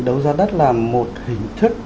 đấu ra đất là một hình thức